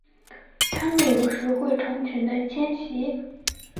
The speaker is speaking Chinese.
它们有时会成群的迁徙。